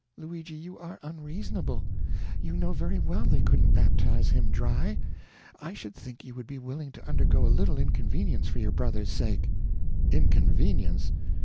"Luigi, you are unreasonable; you know very well they couldn't baptize him dry. I should think you would be willing to undergo a little inconvenience for your brother's sake." "Inconvenience!